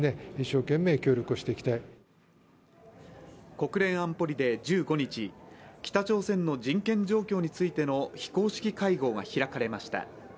国連安保理で１５日、北朝鮮の人権状況についての非公式会合が開かれました。